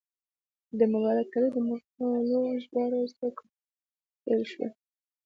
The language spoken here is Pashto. د مبارک علي د مقالو ژباړه څو کاله پخوا پیل شوه.